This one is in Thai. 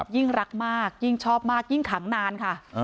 ยิ่งรักมากยิ่งชอบมากยิ่งขังนานค่ะ